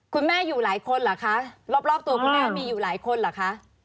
คุณแม่อยู่หลายคนเหรอคะรอบตัวคุณแม่มีอยู่หลายคนเหรอคะ